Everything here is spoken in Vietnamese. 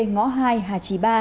ngõ hai hà trì ba